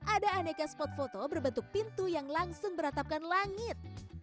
ada aneka spot foto berbentuk pintu yang langsung beratapkan langit